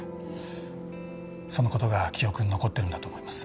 その事が記憶に残ってるんだと思います。